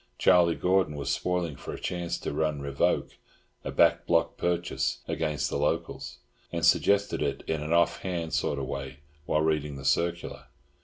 Charlie Gordon was spoiling for a chance to run Revoke, a back block purchase, against the locals, and suggested it in an off hand sort of way while reading the circular.